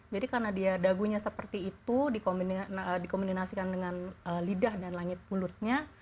jadi karena dia dagunya seperti itu dikomunikasikan dengan lidah dan langit mulutnya